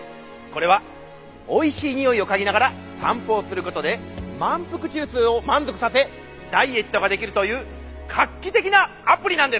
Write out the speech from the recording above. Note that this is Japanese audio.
これはおいしいにおいを嗅ぎながら散歩をする事で満腹中枢を満足させダイエットができるという画期的なアプリなんです。